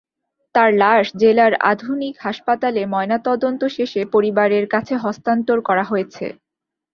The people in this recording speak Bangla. তাঁর লাশ জেলার আধুনিক হাসপাতালে ময়নাতদন্ত শেষে পরিবারের কাছে হস্তান্তর করা হয়েছে।